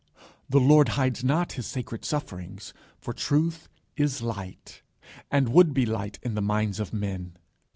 The Lord hides not his sacred sufferings, for truth is light, and would be light in the minds of men.